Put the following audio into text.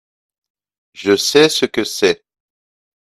Je sais ce que c'est.